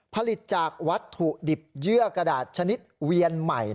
ผลิตจากวัตถุดิบเยื่อกระดาษชนิดเวียนใหม่